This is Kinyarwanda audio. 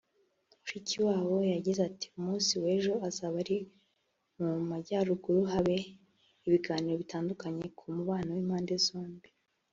Mushikiwaho yagize ati “Umunsi w’ejo azaba ari mu Majyaruguru habe ibiganiro bitandukanye ku mubano w’impande zombi